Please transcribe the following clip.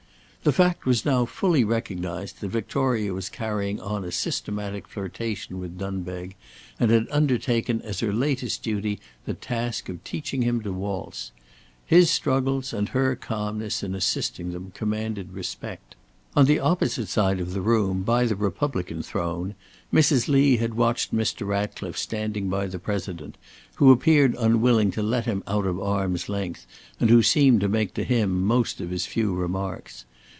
The fact was now fully recognized that Victoria was carrying on a systematic flirtation with Dunbeg, and had undertaken as her latest duty the task of teaching him to waltz. His struggles and her calmness in assisting them commanded respect. On the opposite side of the room, by the republican throne, Mrs. Lee had watched Mr. Ratcliffe standing by the President, who appeared unwilling to let him out of arm's length and who seemed to make to him most of his few remarks.